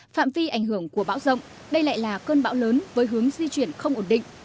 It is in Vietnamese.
phạm vi ảnh hưởng của bão rộng đây lại là cơn bão lớn với hướng di chuyển không ổn định